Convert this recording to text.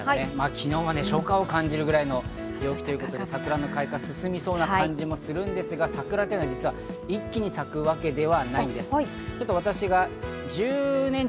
昨日は初夏を感じるぐらいの陽気ということで、桜の開花が進みそうな感じもするんですが、桜というのは一気に咲くわけではないんです。